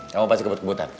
kamu pasti kebut kebutan